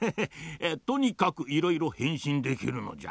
とにかくいろいろへんしんできるのじゃ。